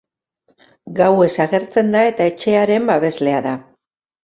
Gauez agertzen da eta etxearen babeslea da.